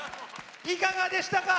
いかがでしたか？